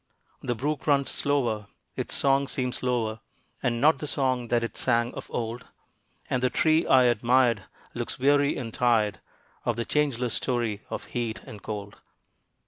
The brook runs slower its song seems lower, And not the song that it sang of old; And the tree I admired looks weary and tired Of the changeless story of heat and cold.